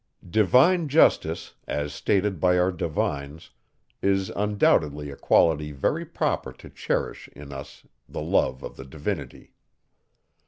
Divine justice, as stated by our divines, is undoubtedly a quality very proper to cherish in us the love of the Divinity.